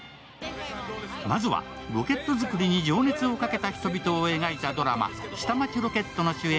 まずはロケット作りに情熱をかけた人々を描いたドラマ、「下町ロケット」の主演